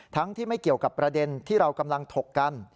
ที่ไม่เกี่ยวกับประเด็นที่เรากำลังถกกัน